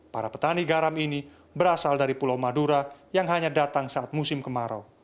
para petani garam ini berasal dari pulau madura yang hanya datang saat musim kemarau